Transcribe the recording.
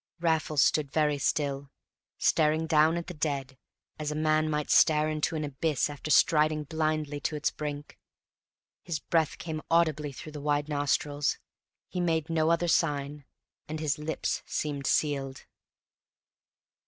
Raffles stood very still, staring down at the dead, as a man might stare into an abyss after striding blindly to its brink. His breath came audibly through wide nostrils; he made no other sign, and his lips seemed sealed.